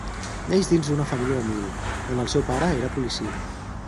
Neix dins una família humil, on el seu pare era policia.